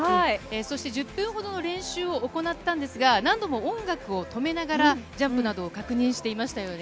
１０分ほどの練習を行ったんですが何度も音楽を止めながら、ジャンプなどを確認していましたね。